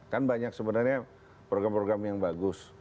kan banyak sebenarnya program program yang bagus